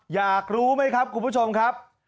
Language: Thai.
อยากรู้ไหมครับคุณผู้ชมครับ